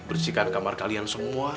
bersihkan kamar kalian semua